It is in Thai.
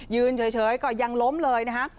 ยืนเฉยก็ยังล้มเลยนะฮะ